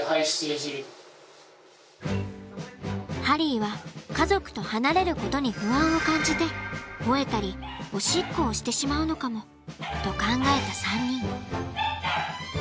ハリーは家族と離れることに不安を感じて吠えたりおしっこをしてしまうのかもと考えた３人。